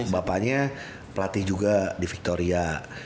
bapaknya pelatih juga di victoria